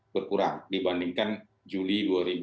berkurang dibandingkan juli